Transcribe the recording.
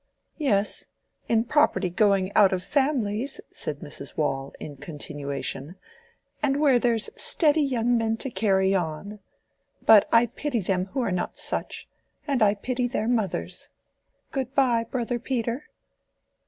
"Yes, in property going out of families," said Mrs. Waule, in continuation,—"and where there's steady young men to carry on. But I pity them who are not such, and I pity their mothers. Good by, Brother Peter."